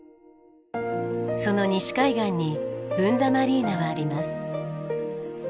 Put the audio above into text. その西海岸にブンダマリーナはあります。